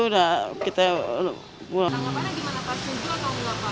tanggapannya gimana pak setuju atau enggak pak